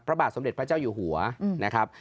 พระบาทสมเด็จพระเจ้าอยู่หัวนะครับ